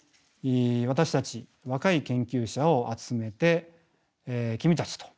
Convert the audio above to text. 私たち若い研究者を集めて君たちと。